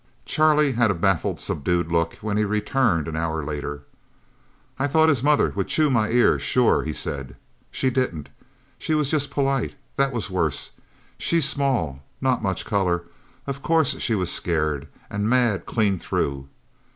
Charlie had a baffled, subdued look, when he returned an hour later. "I thought his mother would chew my ear, sure," he said. "She didn't. She was just polite. That was worse. She's small not much color. Of course she was scared, and mad clean through.